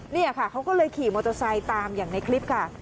นี่ค่ะเขาก็เลยขี่มอเตอร์ไซค์ตามอย่างในคลิปค่ะ